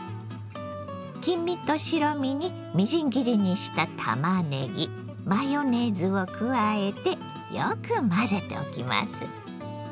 黄身と白身にみじん切りにしたたまねぎマヨネーズを加えてよく混ぜておきます。